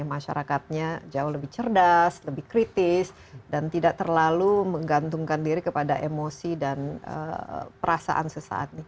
masyarakatnya jauh lebih cerdas lebih kritis dan tidak terlalu menggantungkan diri kepada emosi dan perasaan sesaat ini